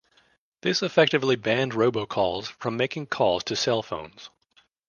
This effectively banned robocalls from making calls to cell phones.